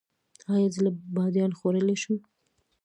ایا زه بادیان خوړلی شم؟